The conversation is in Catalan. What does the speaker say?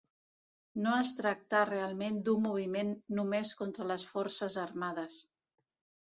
No es tractà realment d'un moviment només contra les forces armades.